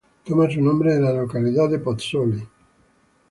Toma su nombre de la localidad de Pozzuoli.